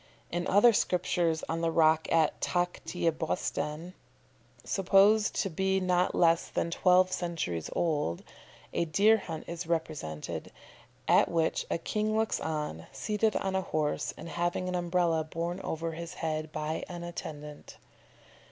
In other sculptures on the rock at Takht i Bostan, supposed to be not less than twelve centuries old, a deer hunt is represented, at which a king looks on, seated on a horse, and having an Umbrella borne over his head by an attendant.